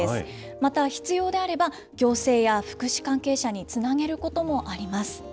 また、必要であれば行政や福祉関係者につなげることもあります。